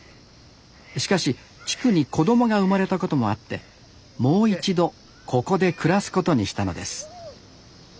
しかし地区に子どもが生まれたこともあってもう一度ここで暮らすことにしたのです